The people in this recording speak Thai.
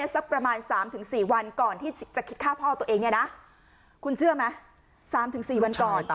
สักประมาณ๓๔วันก่อนที่จะคิดฆ่าพ่อตัวเองเนี่ยนะคุณเชื่อไหม๓๔วันก่อน